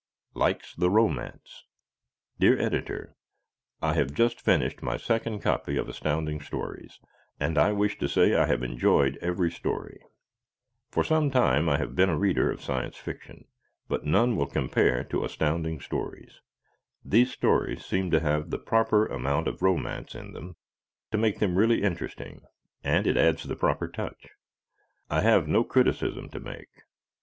Likes the Romance Dear Editor: I have just finished my second copy of Astounding Stories and I wish to say I have enjoyed every story. For some time I have been a reader of Science Fiction, but none will compare to Astounding Stories. These stories seem to have the proper amount of romance in them to make them really interesting, and it adds the proper touch. I have no criticism to make.